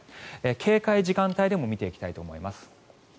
警戒時間帯でも見ていきたいと思います。